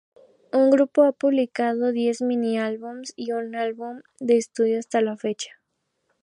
El grupo ha publicado diez mini-álbumes y un álbum de estudio hasta la fecha.